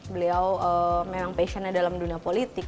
beliau memang passionnya dalam dunia politik